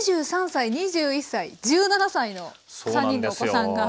今２３歳２１歳１７歳の３人のお子さんが？